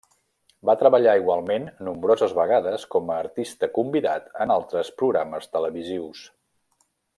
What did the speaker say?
Va treballar igualment, nombroses vegades com a artista convidat en altres programes televisius.